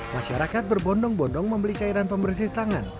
masyarakat berbondong bondong membeli cairan pembersih tangan